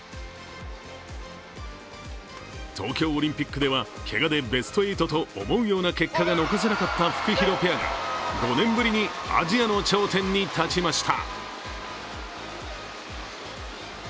東京オリンピックでは、けがでベスト８と思うような結果が残せなかったフクヒロペアが５年ぶりにアジアの頂点に立ちました。